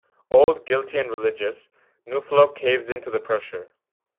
Old, guilty and religious, Nuflo caves in to the pressure.